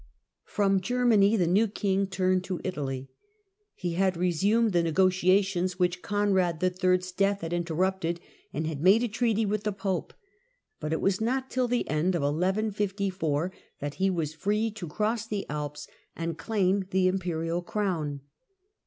From Germany the new King turned to Italy. He had resumed the negotia tions which Conrad III.'s death had interrupted, and had made a treaty with the Pope, but it was not till the end of 1154 that he was free to cross the Alps and claim the imperial crown.